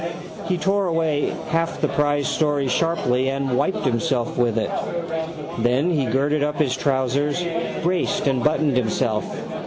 He tore away half the prize story sharply and wiped himself with it. Then he girded up his trousers, braced and buttoned himself.